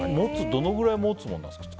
どのくらい持つものですか。